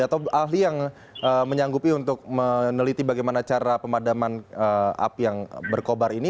atau ahli yang menyanggupi untuk meneliti bagaimana cara pemadaman api yang berkobar ini